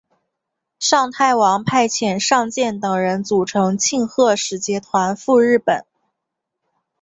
尚泰王派遣尚健等人组成庆贺使节团赴日本。